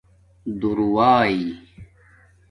دُݸائئ